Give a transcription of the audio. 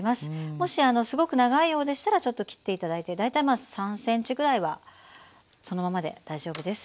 もしすごく長いようでしたらちょっと切って頂いて大体まあ３ｃｍぐらいはそのままで大丈夫です。